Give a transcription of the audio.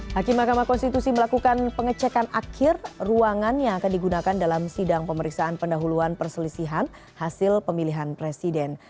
hakim mahkamah konstitusi melakukan pengecekan akhir ruangan yang akan digunakan dalam sidang pemeriksaan pendahuluan perselisihan hasil pemilihan presiden